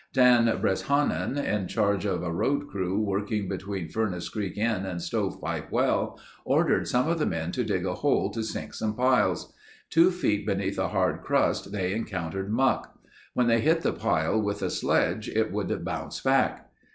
Dan Breshnahan, in charge of a road crew working between Furnace Creek Inn and Stove Pipe Well, ordered some of the men to dig a hole to sink some piles. Two feet beneath a hard crust they encountered muck. When they hit the pile with a sledge it would bounce back.